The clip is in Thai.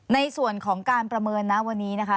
ในส่วนของการประเมินนะวันนี้นะคะ